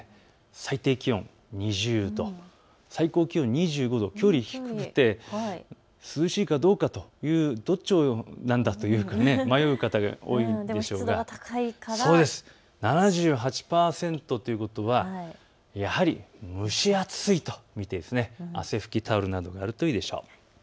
最低気温２０度、最高気温２５度きょうより低くて涼しいかどうかという、どっちなんだと迷う方、多いでしょうが湿度が高いから７８％ということは蒸し暑いと見て汗拭きタオルなどあるといいでしょう。